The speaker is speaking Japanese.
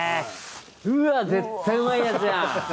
うわっ絶対うまいやつじゃん。